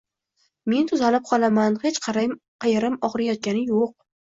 Men tuzalib qolaman, hech qayerim og‘riyotgani yo‘q